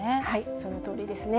そのとおりですね。